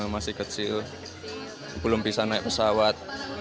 masih kecil belum bisa naik pesawat